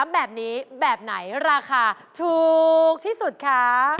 ๓แบบนี้แบบไหนราคาถูกที่สุดคะ